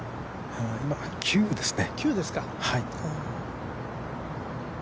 今、９ですね。